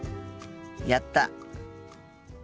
やった。